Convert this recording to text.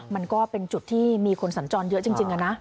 มันก็เป็นจุดที่มีคนสัญจรเยอะจริงนะ